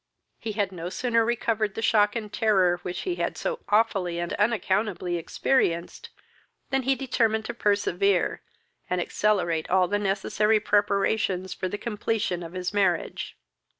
He had no sooner recovered the shock and terror which he had so awfully and unaccountable experienced, than he determined to persevere, and accelerate all the necessary preparations for the completion of his marriage.